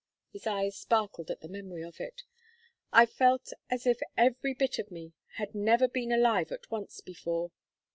His eyes sparkled at the memory of it. "I felt as if every bit of me had never been alive at once before.